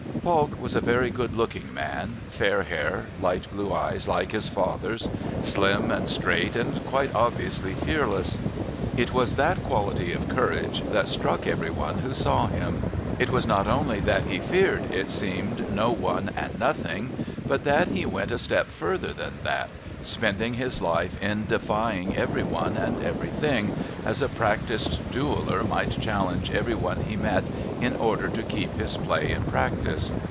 Falk was a very good looking man fair hair, light blue eyes like his father's, slim and straight and quite obviously fearless. It was that quality of courage that struck every one who saw him; it was not only that he feared, it seemed, no one and nothing, but that he went a step further than that, spending his life in defying every one and everything, as a practised dueller might challenge every one he met in order to keep his play in practice.